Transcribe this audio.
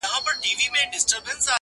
ژر سه ووهه زموږ خان ته ملاقونه،